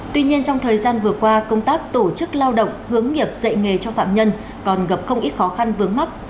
tuy nhiên trong thời gian vừa qua công tác tổ chức lao động hướng nghiệp dạy nghề cho phạm nhân còn gặp không ít khó khăn vướng mắt